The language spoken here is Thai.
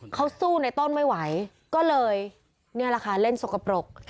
เขาสู้ในต้นไม่ไหวก็เลยเล่นสกปรก